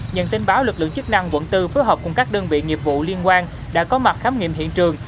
nhận tin báo lực lượng chức năng quận bốn phối hợp cùng các đơn vị nghiệp vụ liên quan đã có mặt khám nghiệm hiện trường